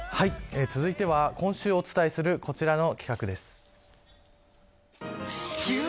続いては、今週お伝えするこちらの企画です。